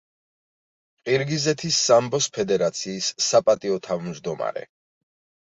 ყირგიზეთის სამბოს ფედერაციის საპატიო თავმჯდომარე.